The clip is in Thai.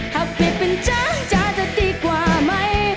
ถ้าเปลี่ยนเป็นจ๊ะจ๊ะจะดีกว่าไหม